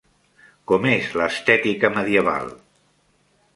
Com és l'estètica medieval?